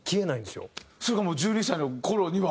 それが１２歳の頃には。